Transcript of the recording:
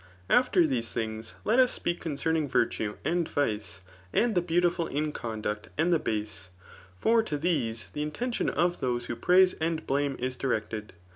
After these tbiogs let us speak conoenuDg viilae and Yice,, and the beautiful in conduct and the base ; for to these the intention of those who praiae and blame it directed.